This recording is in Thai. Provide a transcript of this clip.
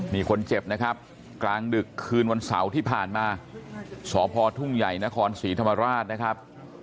นี่คนเจ็บนะครับกลางดึกคืนวันเสาร์ที่ผ่านมาสพทุ่งใหญ่นครศรีธรรมราชนะครับ